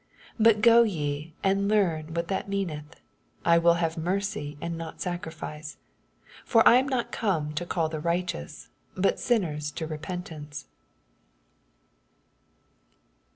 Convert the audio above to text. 18 But 20 ye and learn what that meaneth, 1 will have mercy and not sacrifice : for 1 am not come to call the rlghteoos, but sinners to repentance.